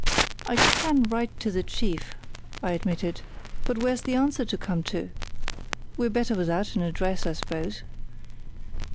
"I can write to the chief," I admitted; "but where's the answer to come to? We're better without an address, I suppose."